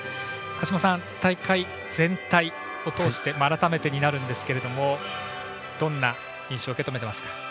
鹿島さん、大会全体を通して改めてになるんですがどんな印象を受け止めていますか。